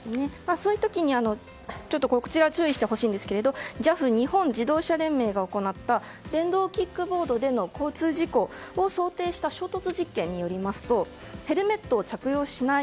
そういう時に注意していただいたんですけどＪＡＦ・日本自動車連盟が行った電動キックボードでの交通事故を想定した衝突実験によりますとヘルメットを着用しない